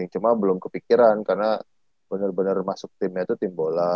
cuma belum kepikiran karena benar benar masuk timnya itu tim bola